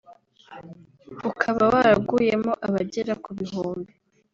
ukaba waraguyemo abagera ku bihumbi